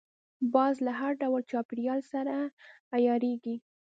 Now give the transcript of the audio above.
باز له هر ډول چاپېریال سره عیارېږي